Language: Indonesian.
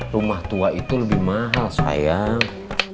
rumah tua itu lebih mahal sayang